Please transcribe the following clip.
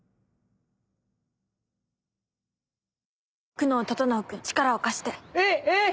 「久能整君力を貸して」「え？えっ？」